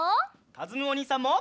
かずむおにいさんも！